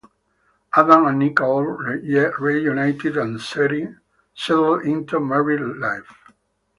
Adam and Nicole reunited and settled into married life.